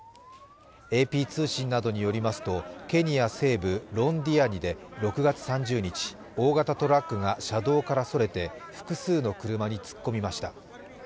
ＡＰ通信などによりますとケニア西部ロンディアニで６月３０日大型トラックが車道からそれて複数の車に突っ込みました。